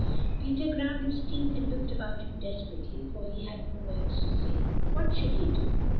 Peter ground his teeth, and looked about him desperately, for he had no words to say. What should he do?